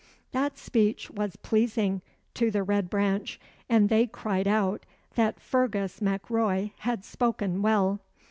'" That speech was pleasing to the Red Branch, and they cried out that Fergus Mac Roy had spoken well.